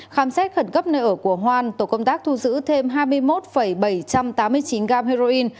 khám xét khẩn cấp nơi ở của hoan tổ công tác thu giữ thêm hai mươi một bảy trăm tám mươi chín gam heroin